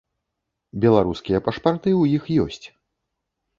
Беларускія пашпарты ў іх ёсць.